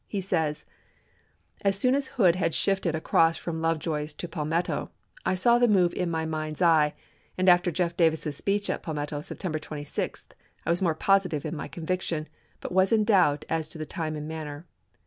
He says : "As soon as Hood had shifted across from Love joy's to Palmetto, I saw the move in my ' mind's eye,' and after Jeff. Davis's speech at Palmetto of Sep tember 26, 1 was more positive in my conviction, but was in doubt as to the time and manner.